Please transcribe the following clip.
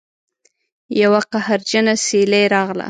یوه قهرجنه سیلۍ راغله